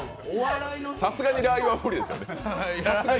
さすがにラー油は無理ですよね？